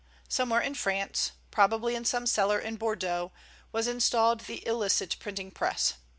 Somewhere in France, probably in some cellar in Bordeaux, was installed the illicit printing press.